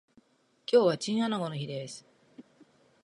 今日はチンアナゴの日です